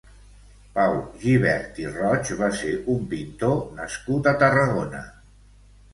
Pau Gibert i Roig va ser un pintor nascut a Tarragona.